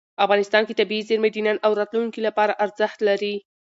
افغانستان کې طبیعي زیرمې د نن او راتلونکي لپاره ارزښت لري.